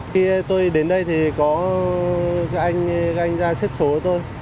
khi tôi đến đây thì có các anh ranh ra xếp số tôi